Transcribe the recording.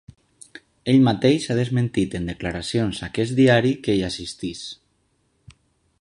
Ell mateix ha desmentit en declaracions a aquest diari que hi assistís.